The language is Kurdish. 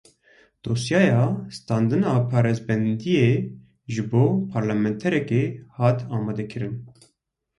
Dosyeya standina parêzbendiyê ji bo parlamenterekê hat amadekirin.